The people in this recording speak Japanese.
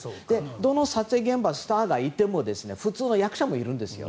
どの撮影現場、スターがいても普通の役者もいるんですよ。